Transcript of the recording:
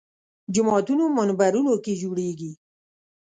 جوماتونو منبرونو کې جوړېږي